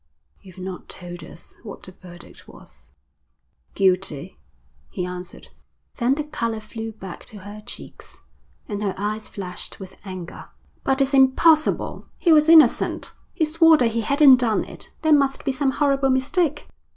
'You've not told us what the verdict was.' 'Guilty,' he answered. Then the colour flew back to her cheeks, and her eyes flashed with anger. 'But it's impossible. He was innocent. He swore that he hadn't done it. There must be some horrible mistake.'